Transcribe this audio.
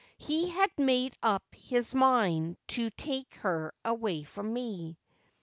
He had made up his mind to take her away from me.